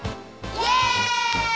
イエイ！